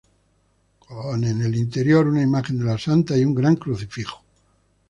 El el interior, una imagen de la santa y una gran crucifijo.